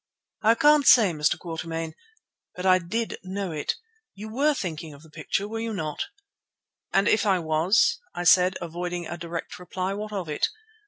"I can't say, Mr. Quatermain, but I did know it. You were thinking of the picture, were you not?" "And if I was," I said, avoiding a direct reply, "what of it?